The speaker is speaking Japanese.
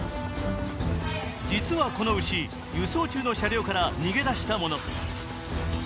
実はこの牛、輸送中の車両から逃げ出したもの。